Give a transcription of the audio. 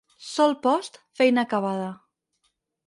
Sol post, feina acabada.